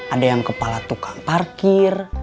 ada yang kepala tukang parkir